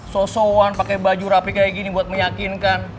sosowan pake baju rapi kayak gini buat meyakinkan